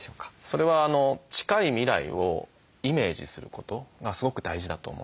それは近い未来をイメージすることがすごく大事だと思うんです。